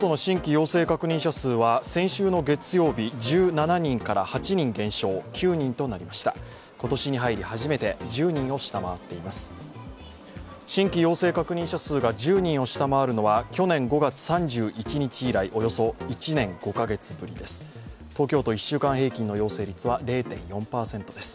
新規陽性確認者数が１０人を下回るのは去年５月３１日以来、およそ１年５カ月ぶりです。